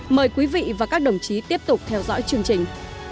mời quý vị và các đồng chí tiếp tục theo dõi chương trình